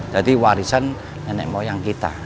jadi warisan nenek moyang kita